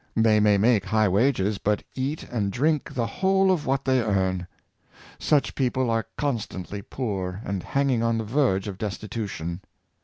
They may make high wages, but cat and drink the whole of what they earn. Such people are constantly poor, and hanging on the verge of destitu tion.